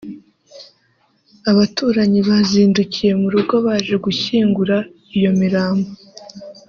abaturanyi bazindukiye mu rugo baje gushyingura iyo mirambo